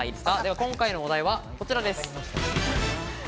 今回のお題はこちらです。